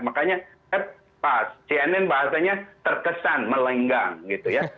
makanya saya pas cnn bahasanya terkesan melenggang gitu ya